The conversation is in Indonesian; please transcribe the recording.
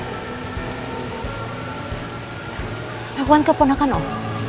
gangguan kepanakan om